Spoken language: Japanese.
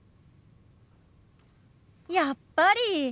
やっぱり！